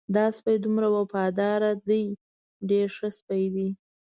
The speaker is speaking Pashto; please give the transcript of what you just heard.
دا سپی دومره وفادار دی ډېر ښه سپی دی.